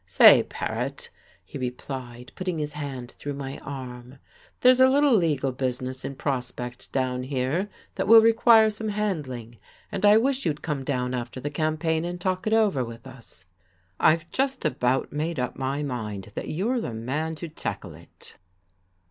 "Say, Paret," he replied, putting his hand through my arm, "there's a little legal business in prospect down here that will require some handling, and I wish you'd come down after the campaign and talk it over, with us. I've just about made up my mind that you're he man to tackle it."